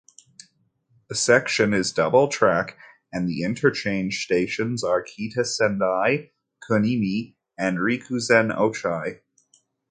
The section is double-track and the interchange stations are Kita-Sendai, Kunimi, and Rikuzen-Ochiai.